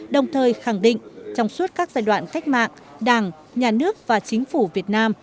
đồng thời khẳng định trong suốt các giai đoạn cách mạng đảng nhà nước và chính phủ việt nam